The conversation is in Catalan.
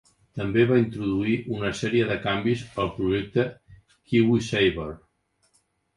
També va introduir una sèrie de canvis al projecte KiwiSaver.